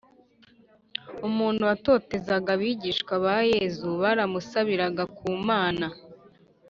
umuntu watotezaga abigishwa ba Yezu baramusabniraga ku Mana